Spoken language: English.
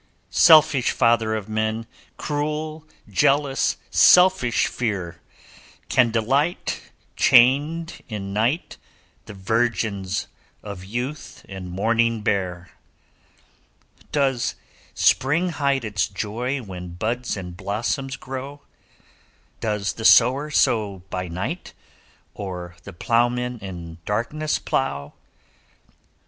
'Selfish father of men! Cruel, jealous, selfish fear! Can delight, Chained in night, The virgins of youth and morning bear. 'Does spring hide its joy, When buds and blossoms grow? Does the sower Sow by night, Or the ploughman in darkness plough?